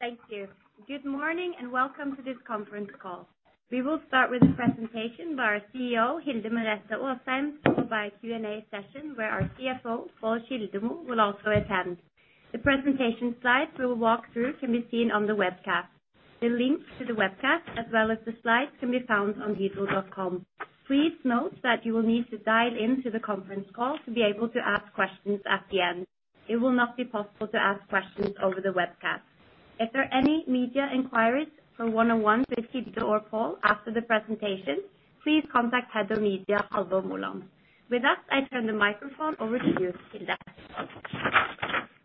Thank you. Good morning, and welcome to this conference call. We will start with a presentation by our CEO, Hilde Merete Aasheim, followed by a Q&A session where our CFO, Pål Kildemo, will also attend. The presentation slides we'll walk through can be seen on the webcast. The link to the webcast, as well as the slides, can be found on hydro.com. Please note that you will need to dial into the conference call to be able to ask questions at the end. It will not be possible to ask questions over the webcast. If there are any media inquiries from one-on-one with Hilde or Pål after the presentation, please contact Head of Media, Halvor Molland. With that, I turn the microphone over to you, Hilde.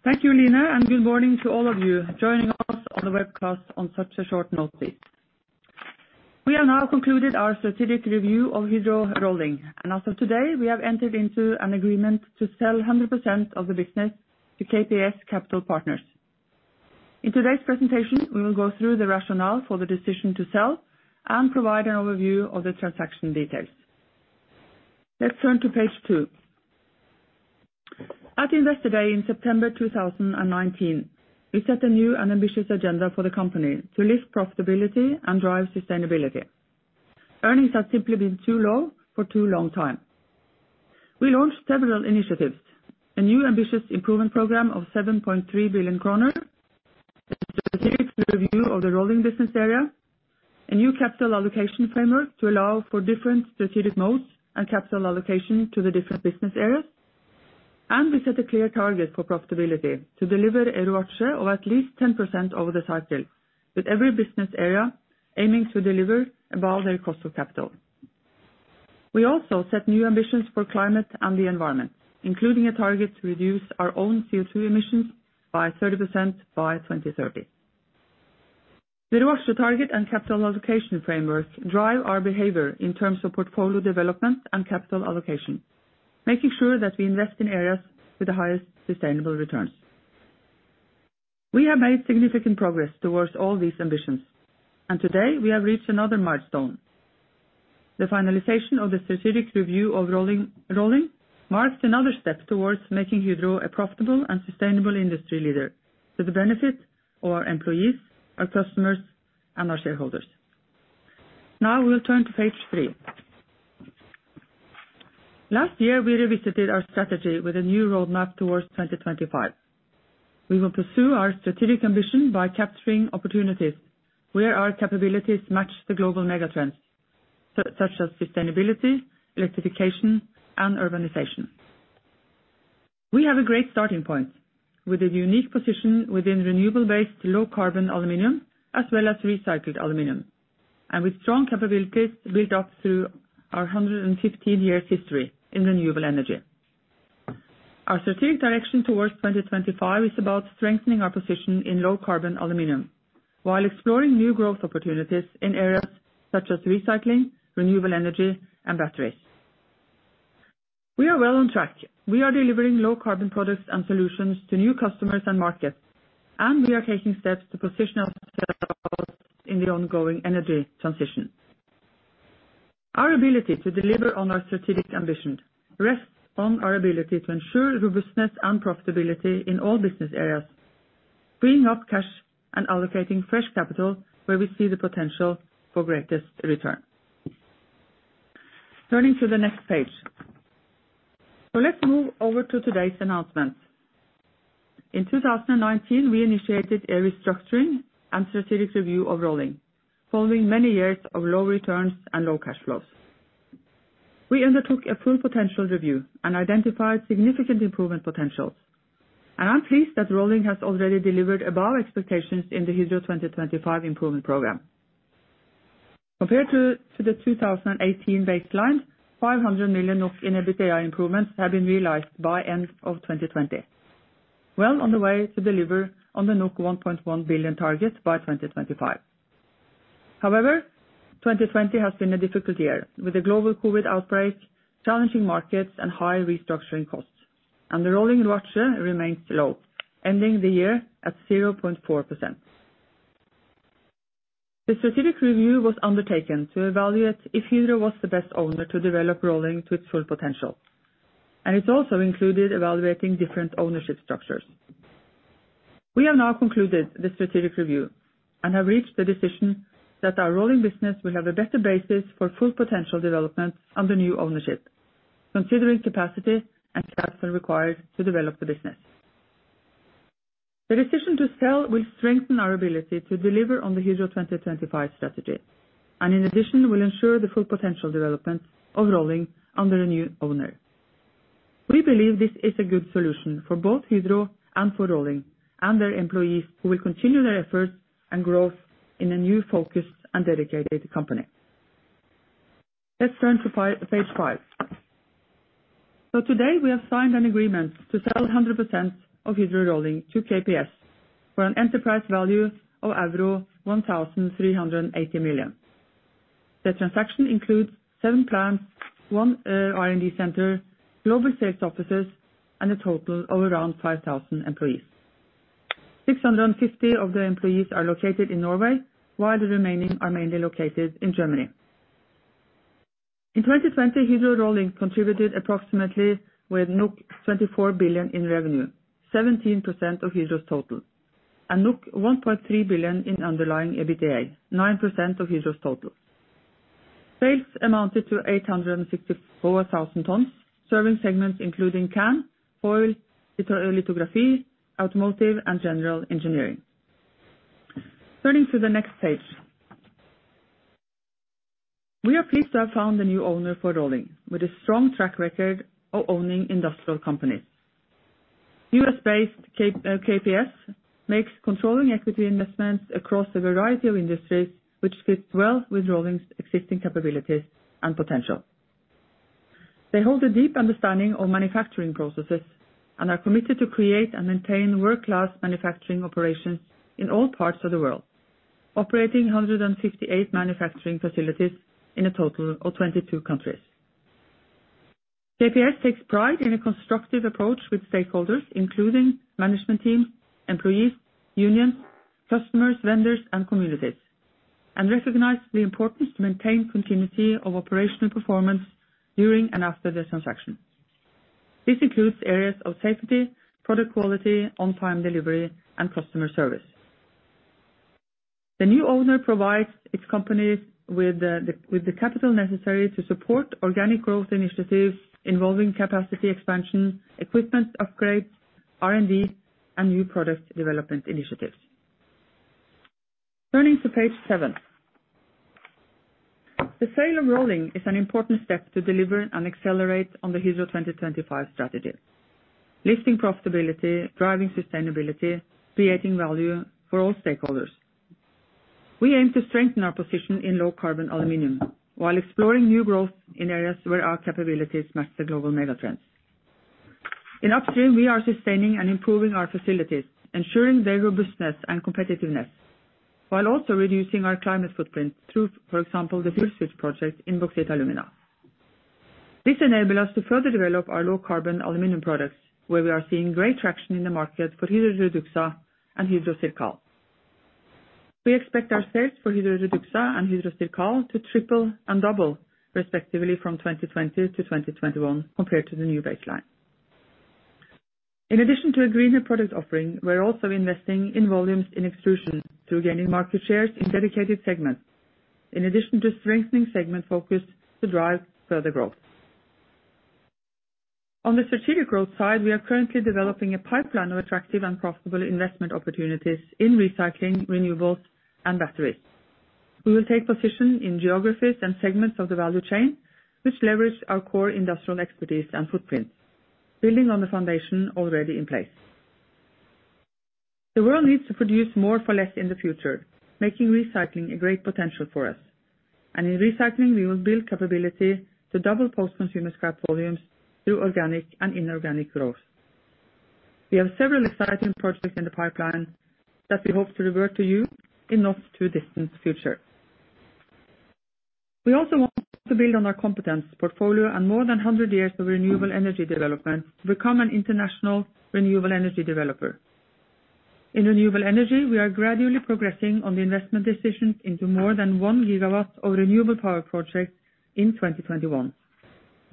Thank you, Line. Good morning to all of you joining us on the webcast on such a short notice. We have now concluded our strategic review of Hydro Rolling. As of today, we have entered into an agreement to sell 100% of the business to KPS Capital Partners. In today's presentation, we will go through the rationale for the decision to sell and provide an overview of the transaction details. Let's turn to page two. At Investor Day in September 2019, we set a new and ambitious agenda for the company to lift profitability and drive sustainability. Earnings have simply been too low for too long time. We launched several initiatives, a new ambitious improvement program of 7.3 billion kroner, a strategic review of the Rolling business area, a new capital allocation framework to allow for different strategic modes and capital allocation to the different business areas, and we set a clear target for profitability to deliver a ROACE of at least 10% over the cycle, with every business area aiming to deliver above their cost of capital. We also set new ambitions for climate and the environment, including a target to reduce our own CO2 emissions by 30% by 2030. The ROACE target and capital allocation frameworks drive our behavior in terms of portfolio development and capital allocation, making sure that we invest in areas with the highest sustainable returns. We have made significant progress towards all these ambitions, and today we have reached another milestone. The finalization of the strategic review of Rolling marks another step towards making Hydro a profitable and sustainable industry leader for the benefit of our employees, our customers, and our shareholders. We'll turn to page three. Last year, we revisited our strategy with a new roadmap towards 2025. We will pursue our strategic ambition by capturing opportunities where our capabilities match the global mega trends such as sustainability, electrification, and urbanization. We have a great starting point with a unique position within renewable-based, low-carbon aluminum, as well as recycled aluminum. With strong capabilities built up through our 115 years history in renewable energy. Our strategic direction towards 2025 is about strengthening our position in low-carbon aluminum while exploring new growth opportunities in areas such as recycling, renewable energy, and batteries. We are well on track. We are delivering low-carbon products and solutions to new customers and markets, and we are taking steps to position ourselves in the ongoing energy transition. Our ability to deliver on our strategic ambition rests on our ability to ensure robustness and profitability in all business areas, freeing up cash, and allocating fresh capital where we see the potential for greatest return. Turning to the next page. Let's move over to today's announcements. In 2019, we initiated a restructuring and strategic review of Rolling following many years of low returns and low cash flows. We undertook a full potential review and identified significant improvement potentials, and I'm pleased that Rolling has already delivered above expectations in the Hydro 2025 improvement program. Compared to the 2018 baseline, 500 million NOK in EBITDA improvements have been realized by end of 2020, well on the way to deliver on the 1.1 billion targets by 2025. However, 2020 has been a difficult year, with the global COVID outbreak challenging markets and high restructuring costs, and the Rolling ROACE remains low, ending the year at 0.4%. The strategic review was undertaken to evaluate if Hydro was the best owner to develop Rolling to its full potential, and it also included evaluating different ownership structures. We have now concluded the strategic review and have reached the decision that our Rolling business will have a better basis for full potential development under new ownership, considering capacity and capital required to develop the business. The decision to sell will strengthen our ability to deliver on the Hydro 2025 strategy, and in addition, will ensure the full potential development of Rolling under a new owner. We believe this is a good solution for both Hydro and for Rolling, and their employees who will continue their efforts and growth in a new focused and dedicated company. Let's turn to page five. Today, we have signed an agreement to sell 100% of Hydro Rolling to KPS for an enterprise value of euro 1,380 million. The transaction includes seven plants, one R&D center, global sales offices, and a total of around 5,000 employees. 650 of the employees are located in Norway, while the remaining are mainly located in Germany. In 2020, Hydro Rolling contributed approximately with 24 billion in revenue, 17% of Hydro's total, and 1.3 billion in underlying EBITDA, 9% of Hydro's total. Sales amounted to 864,000 tonnes, serving segments including can, foil, lithography, automotive, and general engineering. Turning to the next page. We are pleased to have found a new owner for Rolling with a strong track record of owning industrial companies. U.S.-based KPS makes controlling equity investments across a variety of industries which fits well with Rolling's existing capabilities and potential. They hold a deep understanding of manufacturing processes and are committed to create and maintain world-class manufacturing operations in all parts of the world, operating 158 manufacturing facilities in a total of 22 countries. KPS takes pride in a constructive approach with stakeholders, including management teams, employees, unions, customers, vendors, and communities, and recognize the importance to maintain continuity of operational performance during and after the transaction. This includes areas of safety, product quality, on-time delivery, and customer service. The new owner provides its companies with the capital necessary to support organic growth initiatives involving capacity expansion, equipment upgrades, R&D, and new product development initiatives. Turning to page seven. The sale of Rolling is an important step to deliver and accelerate on the Hydro 2025 strategy. Lifting profitability, driving sustainability, creating value for all stakeholders. We aim to strengthen our position in low carbon aluminum while exploring new growth in areas where our capabilities match the global mega trends. In upstream, we are sustaining and improving our facilities, ensuring their robustness and competitiveness, while also reducing our climate footprint through, for example, the fuel switch project in Bauxite & Alumina. This enable us to further develop our low carbon aluminum products, where we are seeing great traction in the market for Hydro REDUXA and Hydro CIRCAL. We expect our sales for Hydro REDUXA and Hydro CIRCAL to triple and double, respectively, from 2020 to 2021 compared to the new baseline. In addition to a greener product offering, we're also investing in volumes in Extrusions through gaining market shares in dedicated segments, in addition to strengthening segment focus to drive further growth. On the strategic growth side, we are currently developing a pipeline of attractive and profitable investment opportunities in recycling, renewables, and batteries. We will take position in geographies and segments of the value chain, which leverage our core industrial expertise and footprint, building on the foundation already in place. The world needs to produce more for less in the future, making recycling a great potential for us. In recycling, we will build capability to double post-consumer scrap volumes through organic and inorganic growth. We have several exciting projects in the pipeline that we hope to revert to you in not too distant future. We also want to build on our competence portfolio and more than 100 years of renewable energy development to become an international renewable energy developer. In renewable energy, we are gradually progressing on the investment decisions into more than one gigawatts of renewable power projects in 2021,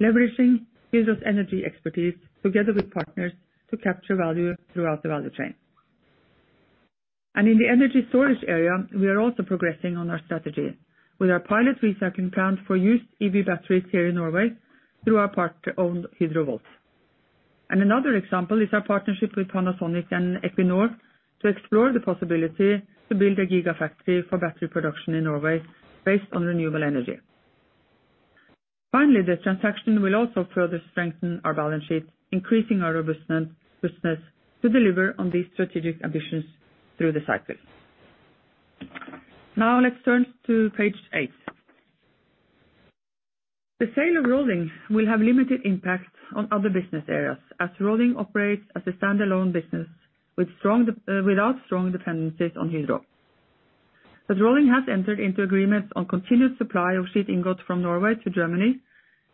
leveraging Hydro's energy expertise together with partners to capture value throughout the value chain. In the energy storage area, we are also progressing on our strategy with our pilot recycling plant for used EV batteries here in Norway through our part-owned Hydrovolt. Another example is our partnership with Panasonic and Equinor to explore the possibility to build a gigafactory for battery production in Norway based on renewable energy. Finally, the transaction will also further strengthen our balance sheet, increasing our robustness to deliver on these strategic ambitions through the cycle. Let's turn to page eight. The sale of Rolling will have limited impact on other business areas, as Rolling operates as a standalone business without strong dependencies on Hydro. Rolling has entered into agreements on continued supply of sheet ingot from Norway to Germany,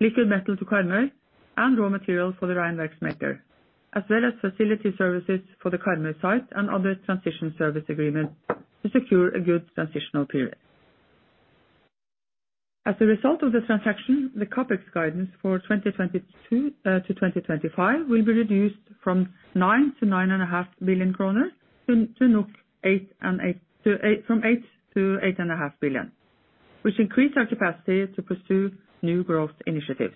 liquid metal to Karmøy, and raw material for the Rheinwerk smelter, as well as facility services for the Karmøy site and other transition service agreements to secure a good transitional period. As a result of the transaction, the CapEx guidance for 2022-2025 will be reduced from 9 billion-9.5 billion kroner to 8 billion-8.5 billion, which increase our capacity to pursue new growth initiatives.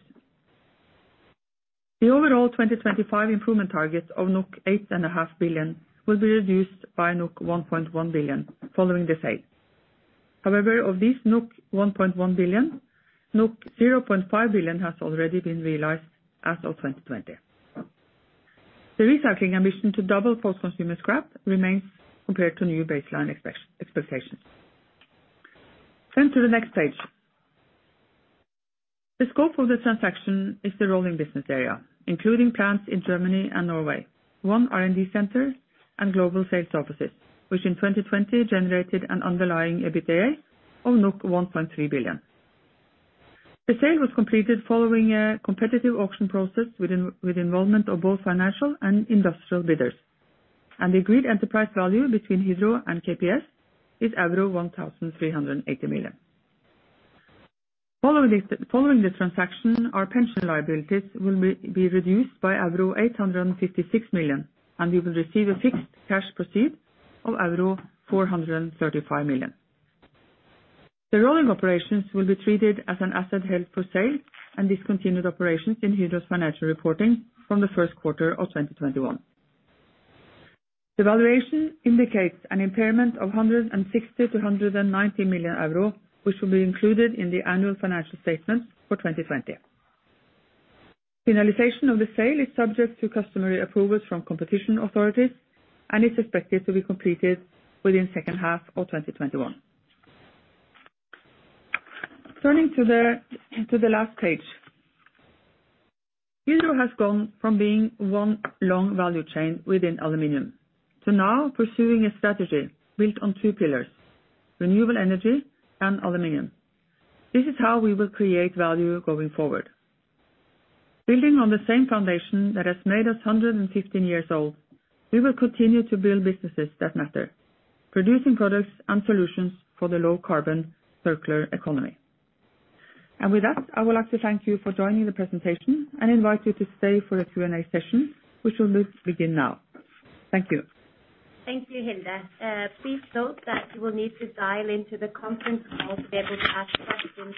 The overall 2025 improvement target of 8.5 billion will be reduced by 1.1 billion following the sale. Of this 1.1 billion, 0.5 billion has already been realized as of 2020. The recycling ambition to double post-consumer scrap remains compared to new baseline expectations. Turn to the next page. The scope of the transaction is the Rolling business area, including plants in Germany and Norway, one R&D center, and global sales offices, which in 2020 generated an underlying EBITDA of 1.3 billion. The sale was completed following a competitive auction process with involvement of both financial and industrial bidders. The agreed enterprise value between Hydro and KPS is 1,380 million. Following the transaction, our pension liabilities will be reduced by euro 856 million, and we will receive a fixed cash proceed of euro 435 million. The rolling operations will be treated as an asset held for sale and discontinued operations in Hydro's financial reporting from the first quarter of 2021. The valuation indicates an impairment of 160 million-190 million euro, which will be included in the annual financial statements for 2020. Finalization of the sale is subject to customary approvals from competition authorities and is expected to be completed within the second half of 2021. Turning to the last page. Hydro has gone from being one long value chain within aluminum to now pursuing a strategy built on two pillars, renewable energy and aluminum. This is how we will create value going forward. Building on the same foundation that has made us 115 years old, we will continue to build businesses that matter. Producing products and solutions for the low-carbon circular economy. With that, I would like to thank you for joining the presentation and invite you to stay for the Q&A session, which will begin now. Thank you. Thank you, Hilde. Please note that you will need to dial into the conference call to be able to ask questions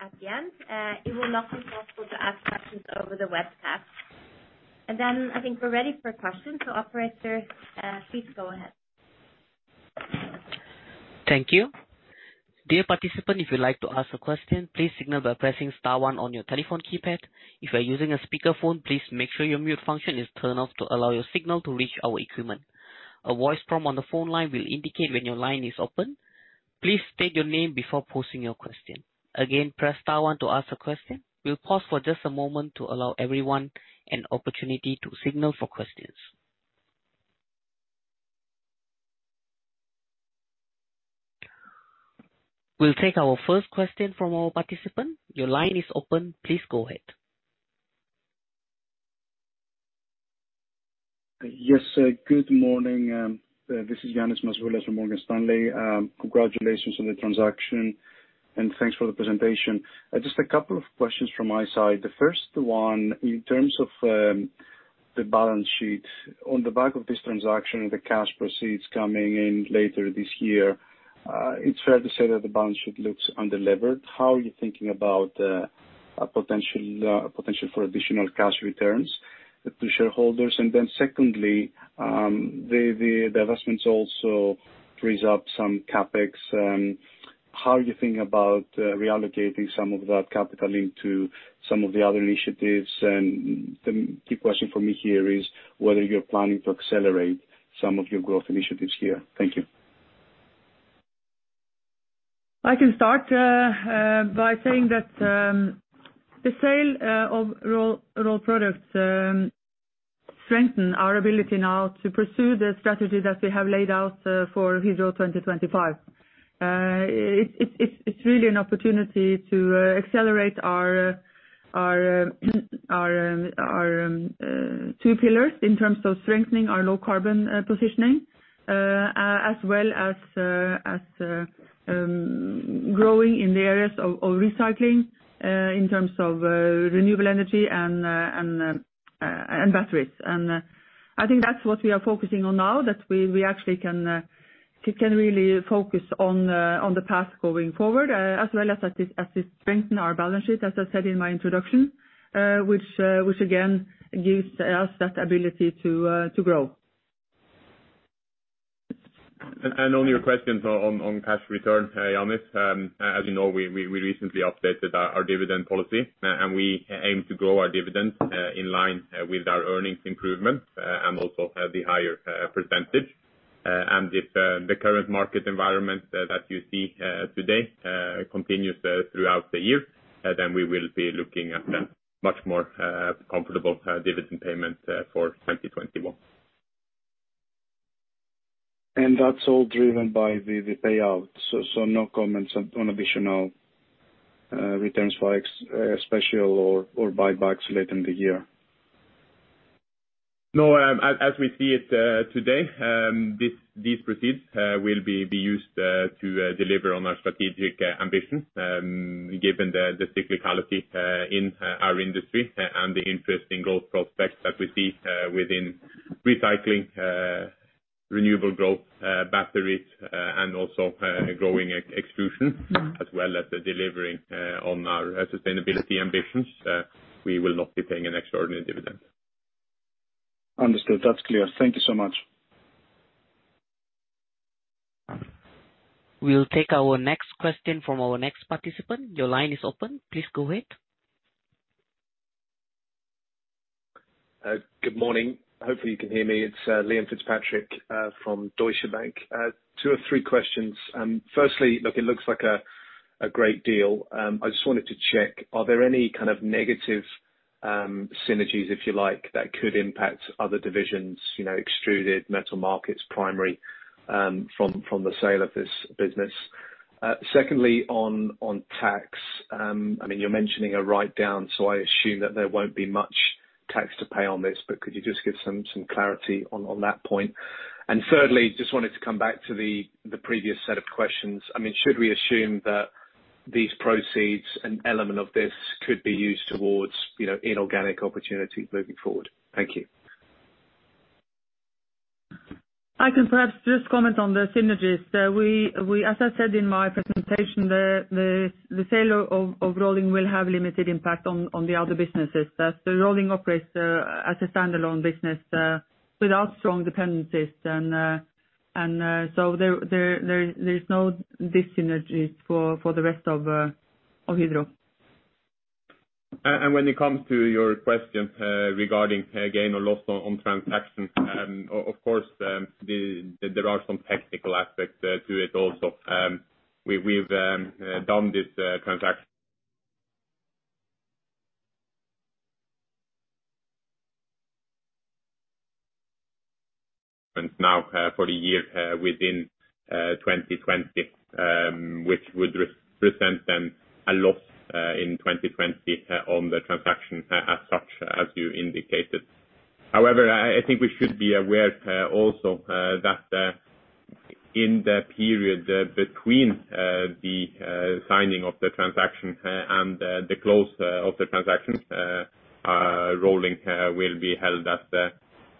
at the end. It will not be possible to ask questions over the webcast. I think we're ready for questions. Operator, please go ahead. Thank you. Dear participant, if you'd like to ask a question, please signal by pressing star one on your telephone keypad. If you are using a speakerphone, please make sure your mute function is turned off to allow your signal to reach our equipment. A voice prompt on the phone line will indicate when your line is open. Please state your name before posing your question. Again, press star one to ask a question. We'll pause for just a moment to allow everyone an opportunity to signal for questions. We'll take our first question from our participant. Your line is open. Please go ahead. Yes. Good morning. This is Yannis Masoulas from Morgan Stanley. Congratulations on the transaction and thanks for the presentation. Just a couple of questions from my side. The first one, in terms of the balance sheet. On the back of this transaction, the cash proceeds coming in later this year, it's fair to say that the balance sheet looks unlevered. How are you thinking about a potential for additional cash returns to shareholders? Secondly, the divestments also frees up some CapEx. How are you thinking about reallocating some of that capital into some of the other initiatives? The key question for me here is whether you're planning to accelerate some of your growth initiatives here. Thank you. I can start by saying that the sale of raw products strengthen our ability now to pursue the strategy that we have laid out for Hydro 2025. It's really an opportunity to accelerate our two pillars in terms of strengthening our low-carbon positioning, as well as growing in the areas of recycling in terms of renewable energy and batteries. I think that's what we are focusing on now, that we actually can really focus on the path going forward, as well as strengthen our balance sheet, as I said in my introduction, which again gives us that ability to grow. On your questions on cash return, Yannis, as you know, we recently updated our dividend policy, and we aim to grow our dividends in line with our earnings improvement and also have the higher percentage. If the current market environment that you see today continues throughout the year, then we will be looking at a much more comfortable dividend payment for 2021. That's all driven by the payout. No comments on additional returns for special or buybacks late in the year. No. As we see it today, these proceeds will be used to deliver on our strategic ambition. Given the cyclicality in our industry and the interesting growth prospects that we see within recycling, renewable growth, batteries, and also growing extrusion, as well as delivering on our sustainability ambitions, we will not be paying an extraordinary dividend. Understood. That's clear. Thank you so much. We'll take our next question from our next participant. Your line is open. Please go ahead. Good morning. Hopefully you can hear me. It's Liam Fitzpatrick from Deutsche Bank. Two or three questions. Firstly, it looks like a great deal. I just wanted to check, are there any kind of negative synergies, if you like, that could impact other divisions, extruded, metal markets, primary, from the sale of this business? Secondly, on tax. You're mentioning a write-down, so I assume that there won't be much tax to pay on this, but could you just give some clarity on that point? Thirdly, just wanted to come back to the previous set of questions. Should we assume that these proceeds, an element of this, could be used towards inorganic opportunities moving forward? Thank you. I can perhaps just comment on the synergies. As I said in my presentation, the sale of Rolling will have limited impact on the other businesses. The Rolling operates as a standalone business without strong dependencies. There is no dis-synergies for the rest of Hydro. When it comes to your question regarding gain or loss on transactions, of course, there are some technical aspects to it also. We've done this transaction now for the year within 2020, which would represent then a loss in 2020 on the transaction as such, as you indicated. However, I think we should be aware also that in the period between the signing of the transaction and the close of the transaction, Rolling will be held as an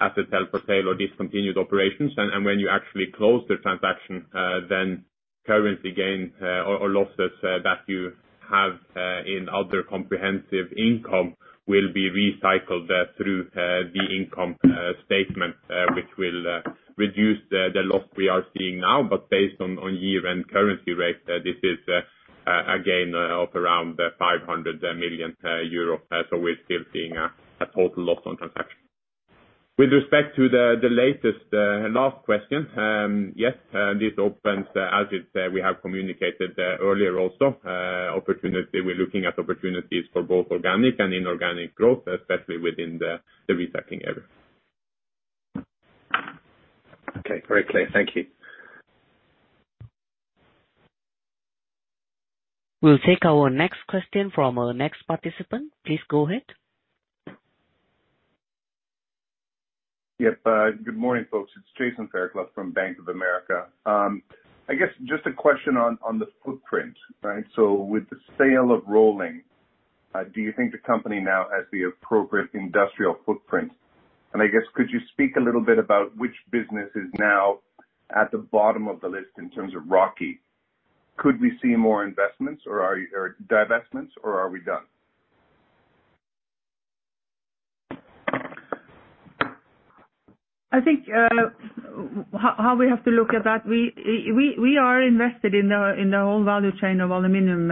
asset held for sale or discontinued operations. When you actually close the transaction, then currency gains or losses that you have in other comprehensive income will be recycled through the income statement which will reduce the loss we are seeing now. Based on year-end currency rate, this is a gain of around 500 million euros. We're still seeing a total loss on transaction. With respect to the latest, last question. Yes, this opens, as we have communicated earlier also, we're looking at opportunities for both organic and inorganic growth, especially within the recycling area. Okay. Very clear. Thank you. We'll take our next question from our next participant. Please go ahead. Yep. Good morning, folks. It's Jason Fairclough from Bank of America. I guess just a question on the footprint. With the sale of Rolling, do you think the company now has the appropriate industrial footprint? I guess could you speak a little bit about which business is now at the bottom of the list in terms of ROACE? Could we see more investments or divestments or are we done? I think how we have to look at that, we are invested in the whole value chain of aluminum.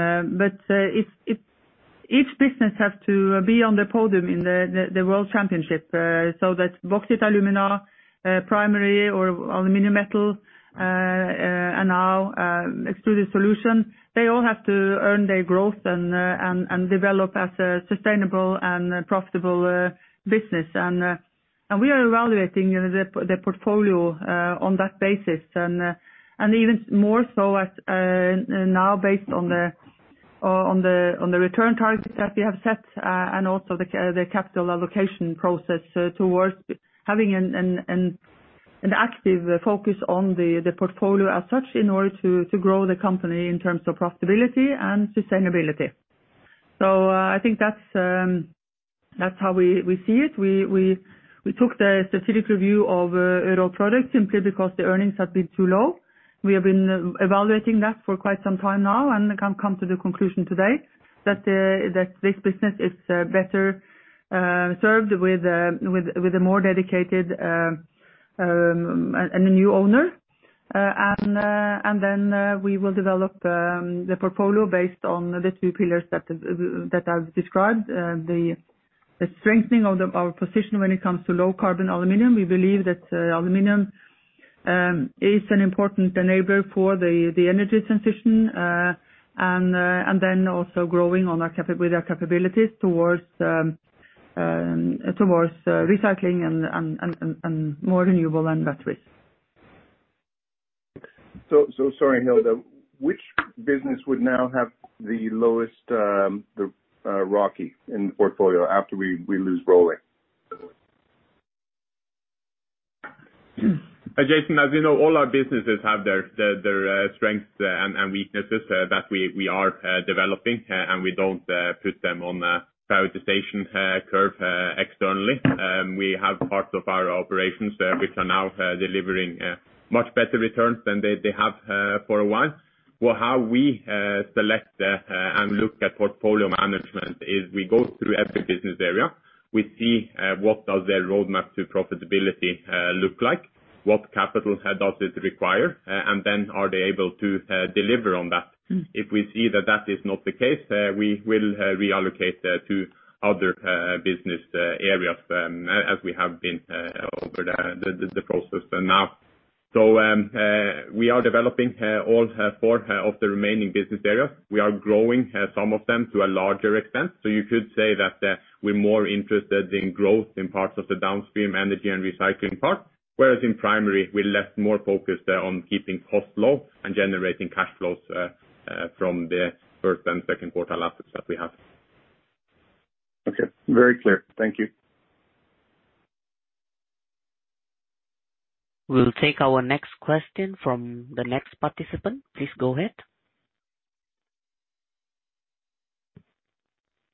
Each business has to be on the podium in the world championship. That Bauxite & Alumina, primary or aluminum metal, and now Extrusions, they all have to earn their growth and develop as a sustainable and profitable business. We are evaluating the portfolio on that basis and even more so now based on the return targets that we have set and also the capital allocation process towards having an active focus on the portfolio as such in order to grow the company in terms of profitability and sustainability. I think that's how we see it. We took the strategic review of Rolling simply because the earnings have been too low. We have been evaluating that for quite some time now and can come to the conclusion today that this business is better served with a more dedicated and a new owner. Then we will develop the portfolio based on the two pillars that I've described. The strengthening of our position when it comes to low carbon aluminum. We believe that aluminum is an important enabler for the energy transition. Then also growing with our capabilities towards recycling and more renewable and batteries. So sorry, Hilde. Which business would now have the lowest ROACE in the portfolio after we lose Rolling? Jason, as you know, all our businesses have their strengths and weaknesses that we are developing, and we don't put them on a prioritization curve externally. We have parts of our operations which are now delivering much better returns than they have for a while. How we select and look at portfolio management is we go through every business area. We see what does their roadmap to profitability look like, what capital does it require, and then are they able to deliver on that. If we see that that is not the case, we will reallocate to other business areas as we have been over the process till now. We are developing all four of the remaining business areas. We are growing some of them to a larger extent. You could say that we're more interested in growth in parts of the downstream energy and recycling part, whereas in primary we're more focused on keeping costs low and generating cash flows from the first and second quartile assets that we have. Okay. Very clear. Thank you. We'll take our next question from the next participant. Please go ahead.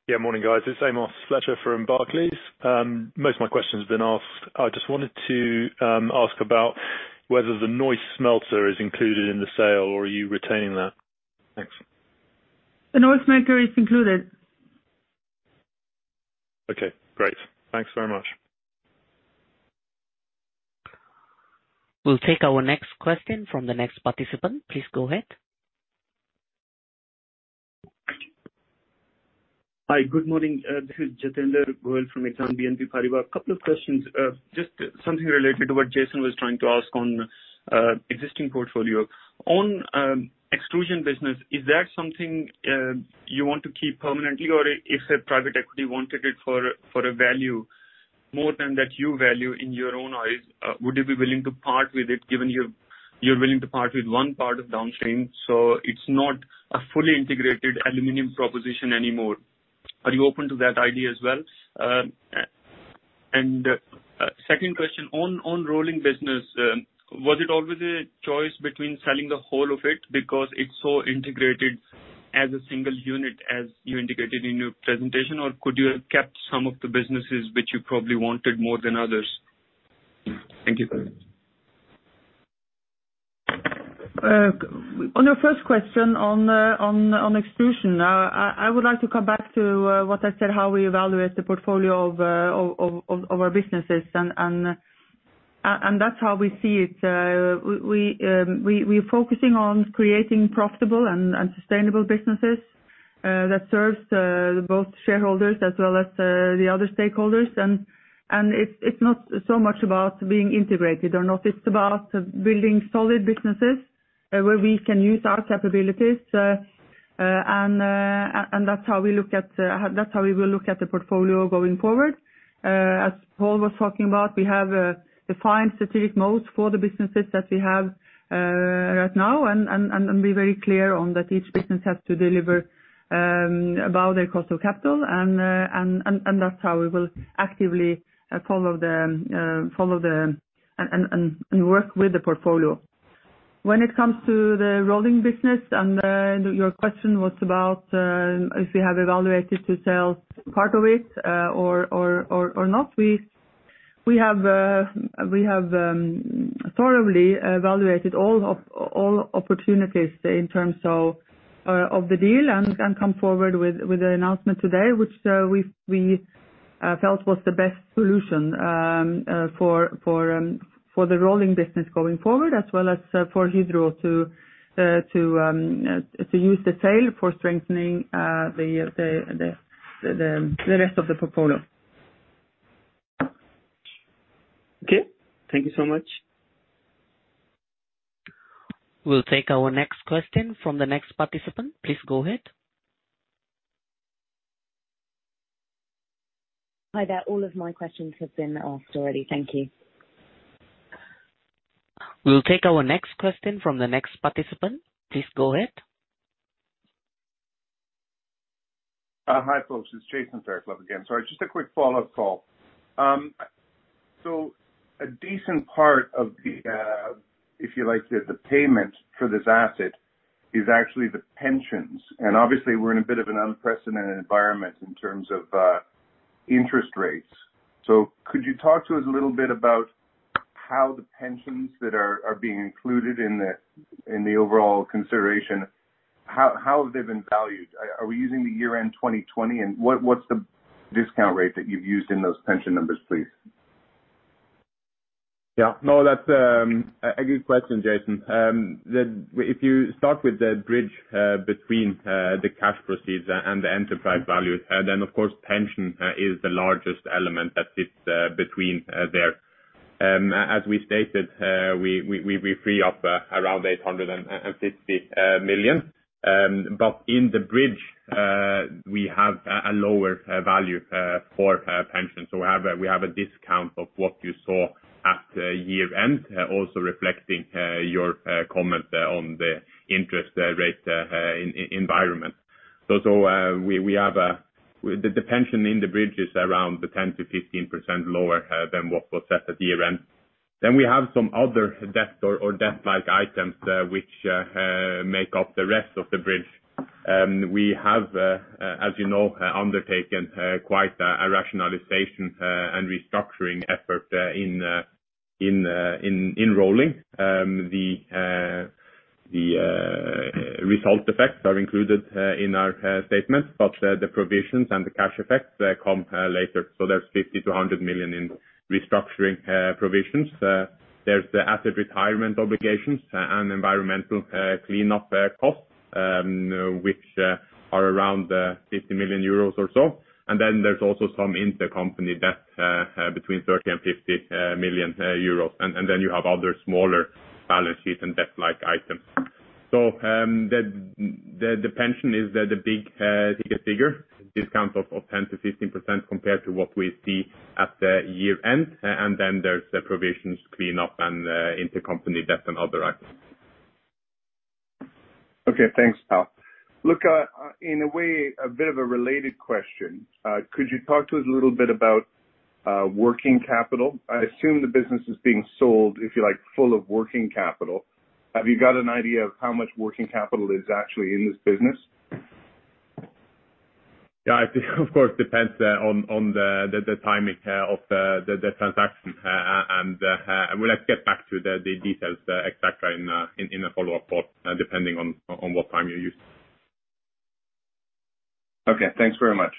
Yeah, morning, guys. It's Amos Fletcher from Barclays. Most of my questions have been asked. I just wanted to ask about whether the Neuss smelter is included in the sale, or are you retaining that? Thanks. The Neuss smelter is included. Okay, great. Thanks very much. We'll take our next question from the next participant. Please go ahead. Hi. Good morning. This is Jitender Gohil from Exane BNP Paribas. Couple of questions. Just something related to what Jason was trying to ask on existing portfolio. On Extrusions business, is that something you want to keep permanently? Or if a private equity wanted it for a value more than that you value in your own eyes, would you be willing to part with it given you're willing to part with one part of downstream, so it's not a fully integrated aluminum proposition anymore? Are you open to that idea as well? Second question, on Rolling business, was it always a choice between selling the whole of it because it's so integrated as a single unit as you indicated in your presentation? Or could you have kept some of the businesses which you probably wanted more than others? Thank you. On your first question, on Extrusions. I would like to come back to what I said, how we evaluate the portfolio of our businesses, and that's how we see it. We're focusing on creating profitable and sustainable businesses that serves both shareholders as well as the other stakeholders. It's not so much about being integrated or not. It's about building solid businesses where we can use our capabilities, and that's how we will look at the portfolio going forward. As Pål was talking about, we have defined strategic modes for the businesses that we have right now and be very clear on that each business has to deliver about their cost of capital. That's how we will actively follow them and work with the portfolio. When it comes to the Rolling business and your question was about if we have evaluated to sell part of it or not. We have thoroughly evaluated all opportunities in terms of the deal and come forward with an announcement today which we felt was the best solution for the Rolling business going forward as well as for Hydro to use the sale for strengthening the rest of the portfolio. Okay. Thank you so much. We'll take our next question from the next participant. Please go ahead. Hi there. All of my questions have been asked already. Thank you. We'll take our next question from the next participant. Please go ahead. Hi, folks, it's Jason Fairclough again. Sorry, just a quick follow-up call. A decent part of the, if you like, the payment for this asset is actually the pensions. Obviously we're in a bit of an unprecedented environment in terms of interest rates. Could you talk to us a little bit about how the pensions that are being included in the overall consideration, how have they been valued? Are we using the year-end 2020? What's the discount rate that you've used in those pension numbers, please? Yeah. No, that's a good question, Jason. If you start with the bridge between the cash proceeds and the enterprise value, of course, pension is the largest element that sits between there. As we stated, we free up around 850 million. In the bridge, we have a lower value for pension. We have a discount of what you saw at year-end, also reflecting your comment on the interest rate environment. The pension in the bridge is around 10%-15% lower than what was set at year-end. We have some other debt or debt-like items which make up the rest of the bridge. We have, as you know, undertaken quite a rationalization and restructuring effort in Rolling. The result effects are included in our statement, but the provisions and the cash effects come later. There's 50 million-100 million in restructuring provisions. There's the asset retirement obligations and environmental cleanup costs, which are around 50 million euros or so. There's also some intercompany debt between 30 million and 50 million euros. You have other smaller balance sheet and debt-like items. The pension is the biggest figure, discount of 10%-15% compared to what we see at the year-end. There's the provisions clean up and intercompany debt and other items. Okay. Thanks, Pål. Look, in a way, a bit of a related question. Could you talk to us a little bit about working capital? I assume the business is being sold, if you like, full of working capital. Have you got an idea of how much working capital is actually in this business? Yeah, I think of course, depends on the timing of the transaction. We'll have to get back to the details et cetera, in a follow-up call, depending on what time you use. Okay. Thanks very much.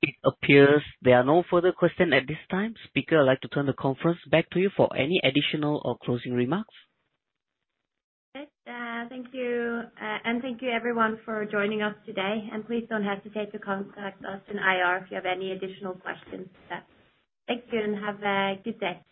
It appears there are no further question at this time. Speaker, I'd like to turn the conference back to you for any additional or closing remarks. Okay. Thank you. Thank you everyone for joining us today, and please don't hesitate to contact us in IR if you have any additional questions. Thank you and have a good day.